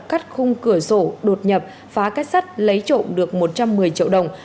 cắt khung cửa sổ đột nhập phá kết sắt lấy trộm được một trăm một mươi triệu đồng